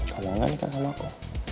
kamu mau gak nikah sama aku